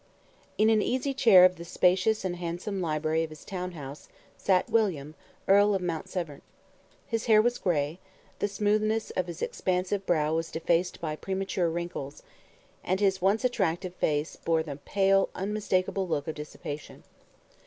In an easy chair of the spacious and handsome library of his town house, sat William, Earl of Mount Severn. His hair was gray, the smoothness of his expansive brow was defaced by premature wrinkles, and his once attractive face bore the pale, unmistakable look of dissipation.